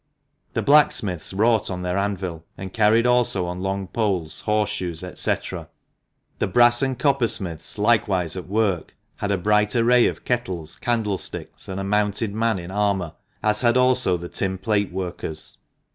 The blacksmiths wrought on their anvil, and carried also on long poles, horse shoes, &c. The brass and copper smiths, likewise at work, had a bright array of kettles, candlesticks, and a mounted man in armour, as had also the tin plate workers.